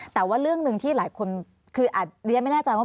แต่ว่าเรื่องนึงที่คืออาจเรียกแม่หน้าจานว่า